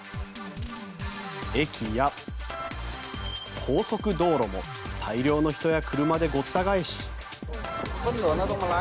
駅や高速道路も大量の人や車でごった返し。